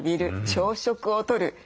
朝食をとる。